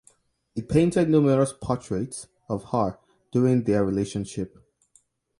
He painted numerous portraits of her during their relationship.